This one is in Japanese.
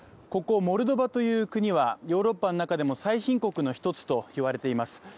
ここモルドバという国はヨーロッパの中でも最貧国の１つと言われています。